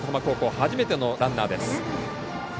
初めてのランナーです。